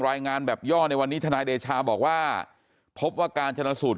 รายงานแบบย่อในวันนี้ทนายเดชาบอกว่าพบว่าการชนะสูตร